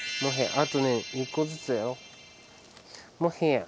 あとね２個ずつだよもへあ。